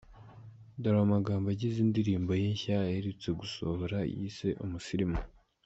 Dore amagambo agize indirimbo ye nshya aherutse gusohora yise Umusirimu .